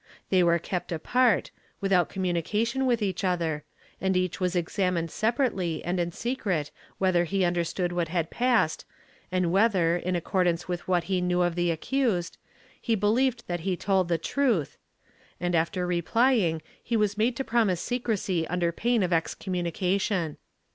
They were kept apart, without communication with each other, and each was examined separately and in secret whether he understood what had passed and whether, in accordance with what he knew of the accused, he believed that he had told the truth, and after replying he was made to promise secrecy under pain of excommunication.